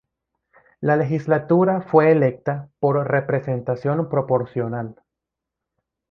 La legislatura fue electa por representación proporcional.